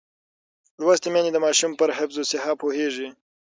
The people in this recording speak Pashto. لوستې میندې د ماشوم پر حفظ الصحه پوهېږي.